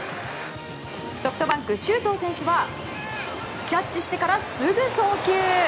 ソフトバンク、周東選手はキャッチしてから、すぐ送球。